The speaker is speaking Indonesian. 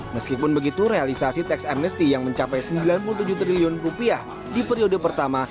meskipun begitu realisasi tax amnesty yang mencapai sembilan puluh tujuh triliun di periode pertama